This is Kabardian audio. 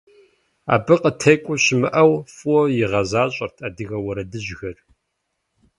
Абы къытекӀуэ щымыӀэу фӀыуэ игъэзащӀэрт адыгэ уэрэдыжьхэр.